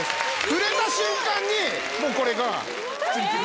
触れた瞬間にもうこれが。